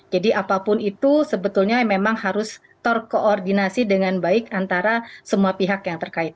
jadi apapun itu sebetulnya memang harus terkoordinasi dengan baik antara semua pihak yang terkait